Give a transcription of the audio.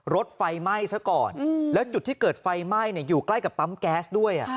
รถไฟไหม้ซะก่อนแล้วจุดที่เกิดไฟไหม้อยู่ใกล้กับปั๊มแก๊สด้วย